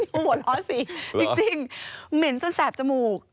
โอ้โหหัวเราะสิจริงเหม็นจนแสบจมูก